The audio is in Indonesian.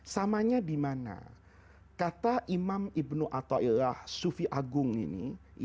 samanya dimana kata imam ibn atta'illah sufi agung ini